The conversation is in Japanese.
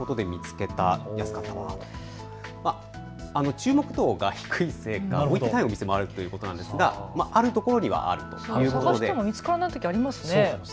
注目度が低いせいか置いてないお店もあるということなんですが、あるところにはあるということで探しても見つからないときありますね。